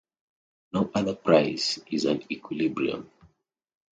No other price is an equilibrium.